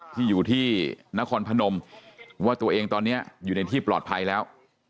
ที่อยู่ที่นครพนมว่าตัวเองตอนนี้อยู่ในที่ปลอดภัยแล้ว